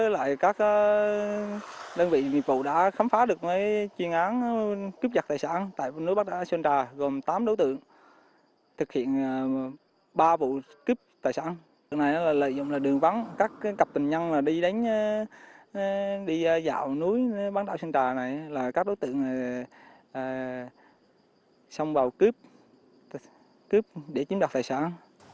lực lượng này là lợi dụng đường vắng các cặp tình nhân đi dạo núi bán đảo sơn trà này là các đối tượng xong vào cướp để chiếm đặt tài sản